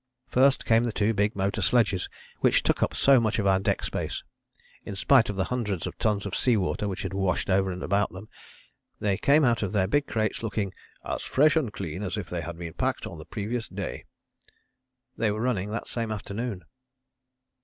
First came the two big motor sledges which took up so much of our deck space. In spite of the hundreds of tons of sea water which had washed over and about them they came out of their big crates looking "as fresh and clean as if they had been packed on the previous day." They were running that same afternoon.